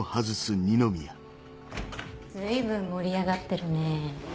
随分盛り上がってるねぇ。